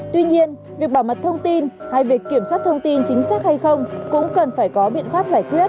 tuy nhiên việc bảo mật thông tin hay việc kiểm soát thông tin chính xác hay không cũng cần phải có biện pháp giải quyết